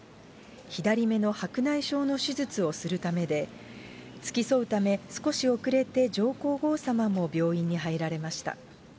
左目の白内障の手術をするためで、付き添うため、少し遅れて上皇后さまも病院に入られました。